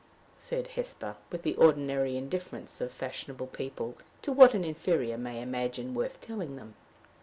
said Hesper, with the ordinary indifference of fashionable people to what an inferior may imagine worth telling them.